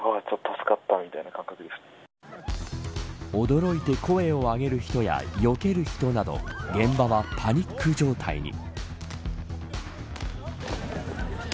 驚いて声を上げる人やよける人など現場はパニック状態に。